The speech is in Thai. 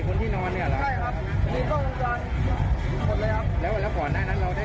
ไม่มีมีแต่เขาเป็นทำอะไร